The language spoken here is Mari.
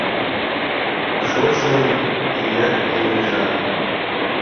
Шочын ият, кеҥежат —